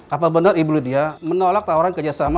apa benar ibu lydia menolak tawaran kerja sama mel